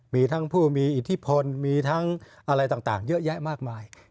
มีทั้งผู้มีอิทธิพลมีทั้งอะไรต่างเยอะแยะมากมาย